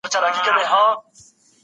کریم